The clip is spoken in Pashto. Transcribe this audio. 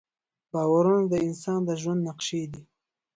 باورونه د انسان د ژوند نقشې دي.